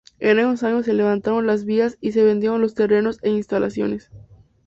En esos años se levantaron las vías y se vendieron los terrenos e instalaciones.